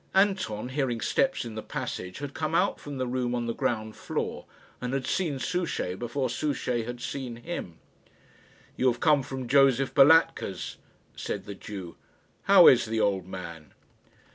Anton, hearing steps in the passage, had come out from the room on the ground floor, and had seen Souchey before Souchey had seen him. "You have come from Josef Balatka's," said the Jew. "How is the old man?"